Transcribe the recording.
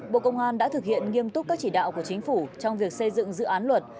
bộ công an đã thực hiện nghiêm túc các chỉ đạo của chính phủ trong việc xây dựng dự án luật